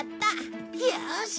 よし！